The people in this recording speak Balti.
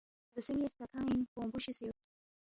دوسے ن٘ی ہرتا کھنِ٘نگ بونگبُو شِسے یود